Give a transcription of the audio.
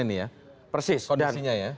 ini ya persis kondisinya ya